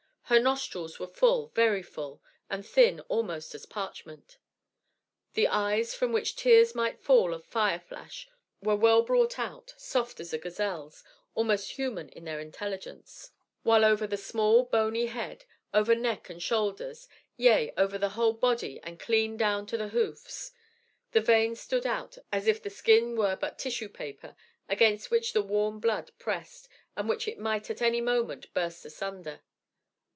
Her nostrils were full, very full, and thin almost as parchment. The eyes, from which tears might fall or fire flash, were well brought out, soft as a gazelle's, almost human in their intelligence, while over the small bony head, over neck and shoulders, yea, over the whole body and clean down to the hoofs, the veins stood out as if the skin were but tissue paper against which the warm blood pressed, and which it might at any moment burst asunder.